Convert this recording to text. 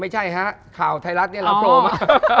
ไม่ใช่ฮะข่าวไทยรัฐเนี่ยเราโผล่มา